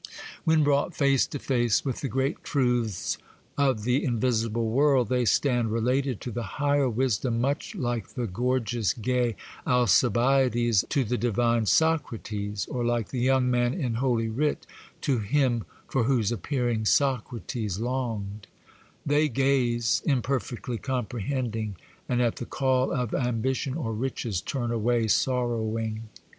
When brought face to face with the great truths of the invisible world, they stand related to the higher wisdom much like the gorgeous, gay Alcibiades to the divine Socrates, or like the young man in Holy Writ to Him for whose appearing Socrates longed;—they gaze, imperfectly comprehending, and at the call of ambition or riches turn away sorrowing.